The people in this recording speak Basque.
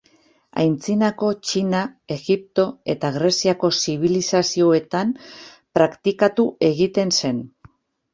Antzinako Txina, Egipto eta Greziako zibilizazioetan praktikatu egiten zen.